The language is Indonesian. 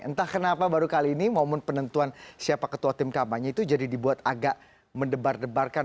entah kenapa baru kali ini momen penentuan siapa ketua tim kampanye itu jadi dibuat agak mendebar debarkan